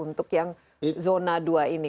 untuk yang zona dua ini